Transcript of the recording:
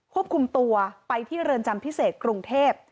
ควบคุมตัวไปที่เรือนจำพิเศษกรุงเทพ